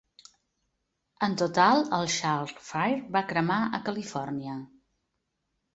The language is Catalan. En total, el Chalk Fire var cremar a Califòrnia.